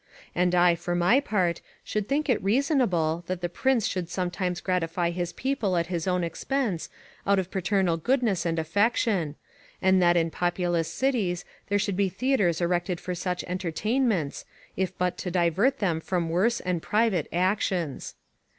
And I, for my part, should think it reasonable, that the prince should sometimes gratify his people at his own expense, out of paternal goodness and affection; and that in populous cities there should be theatres erected for such entertainments, if but to divert them from worse and private actions.